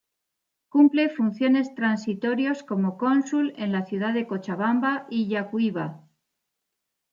Cumple funciones transitorios como Cónsul en la ciudad de Cochabamba y Yacuiba.